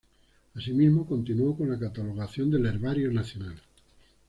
Asimismo continuó con la catalogación del Herbario Nacional.